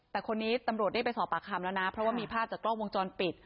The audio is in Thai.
แต่คนนี้ตำรวจเรียกไปสอบปากคำแล้วนะเพราะว่ามีภาพจากกล้องวงจรปิด